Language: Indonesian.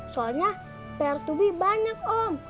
soalnya pr tobi banyak om